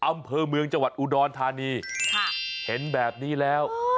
อำเภอเมืองจังหวัดอุดรธานีเห็นแบบนี้แล้ว